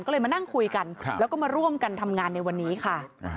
ก็เลยมานั่งคุยกันแล้วก็มาร่วมกันทำงานในวันนี้ค่ะ